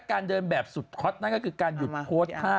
การเดินแบบสุดฮอตนั่นก็คือการหยุดโพสต์ภาพ